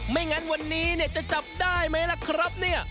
ไม่งั้นวันนี้เนี่ยจะจับได้ไหมล่ะครับเนี่ย